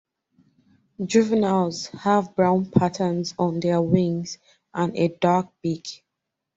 Juveniles have brown patterns on their wings, and a dark beak.